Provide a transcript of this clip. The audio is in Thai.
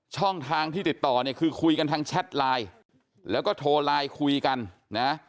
ช่องทางที่ติดต่อเนี่ยคือคุยกันทางแชทไลน์แล้วก็โทรไลน์คุยกันนะ